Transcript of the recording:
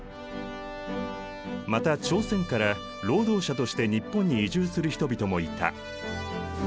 また朝鮮から労働者として日本に移住する人々もいた。